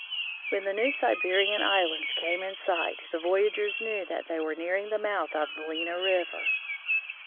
When the New Siberian islands came in sight, the voyagers knew that they were nearing the mouth of the Lena river.